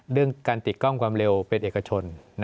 เรื่องการติดกล้องความเร็วเป็นเอกชน